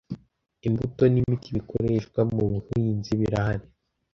imbuto n’imiti bikoreshwa mu buhinzi birahari